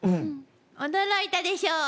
驚いたでしょ